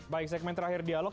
baik segmen terakhir dialog